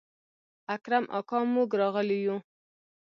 اکرم اکا موږ راغلي يو.